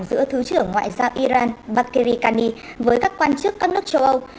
giữa thứ trưởng ngoại giao iran barketiri kani với các quan chức các nước châu âu